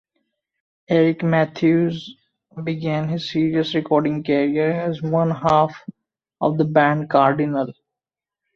Eric Matthews began his serious recording career as one half of the band Cardinal.